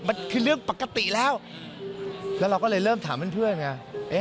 มันคือเรื่องปกติแล้วแล้วเราก็เลยเริ่มถามเพื่อนไง